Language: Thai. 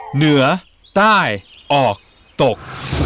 เหนือใต้ออกตก